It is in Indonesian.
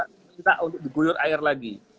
kita untuk di guyur air lagi